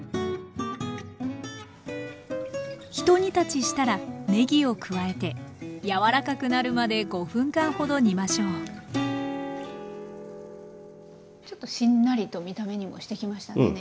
ひと煮立ちしたらねぎを加えて柔らかくなるまで５分間ほど煮ましょうちょっとしんなりと見た目にもしてきましたね